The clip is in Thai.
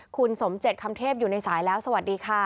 คุณสมเจ็ดคำเทพอยู่ในสายแล้วสวัสดีค่ะ